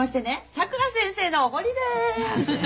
さくら先生のおごりです。